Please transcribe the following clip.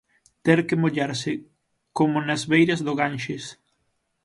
Ter que mollarse, como nas beiras do Ganxes.